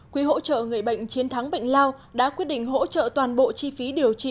quỹ hỗ trợ người bệnh chiến thắng bệnh lào đã quyết định hỗ trợ toàn bộ chi phí điều trị